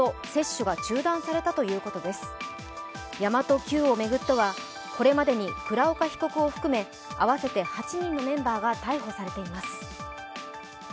神真都Ｑを巡っては、これまでに倉岡被告を含め、合わせて８人のメンバーが逮捕されています。